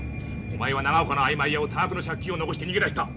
お前は長岡のあいまい屋を多額の借金を残して逃げ出した。